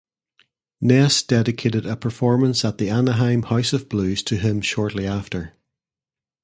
Ness dedicated a performance at the Anaheim House of Blues to him shortly after.